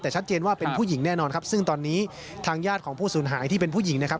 แต่ชัดเจนว่าเป็นผู้หญิงแน่นอนครับซึ่งตอนนี้ทางญาติของผู้สูญหายที่เป็นผู้หญิงนะครับ